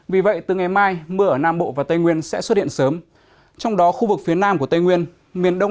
vì vậy từ ngày mai mưa ở nam bộ và tây nguyên sẽ xuất hiện sớm